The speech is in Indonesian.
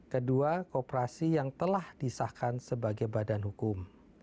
kedua kooperasi yang telah disahkan sebagai badan hukum